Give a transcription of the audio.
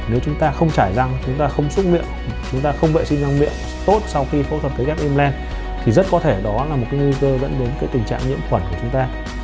nếu chúng ta không chảy răng chúng ta không xúc miệng chúng ta không vệ sinh răng miệng tốt sau khi phẫu thuật phế ép im len thì rất có thể đó là một cái nguy cơ dẫn đến cái tình trạng nhiễm khuẩn của chúng ta